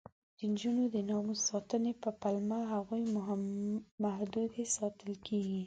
د نجونو د ناموس ساتنې په پلمه هغوی محدودې ساتل کېږي.